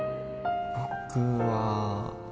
僕は